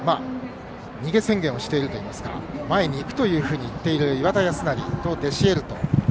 逃げ宣言をしているといいますか前にいくというふうに言っている岩田康誠とデシエルト。